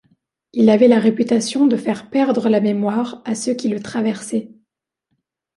Il avait la réputation de faire perdre la mémoire à ceux qui le traversaient.